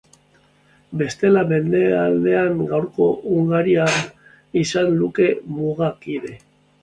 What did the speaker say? Bestela, mendebaldean gaurko Hungaria izango luke mugakide.